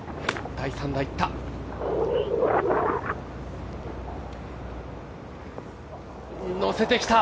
第３打いった。